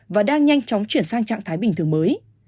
và đang nhanh chóng chuyển sang trạng thái bình thường mới